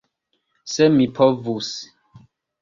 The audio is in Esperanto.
Se mi povus!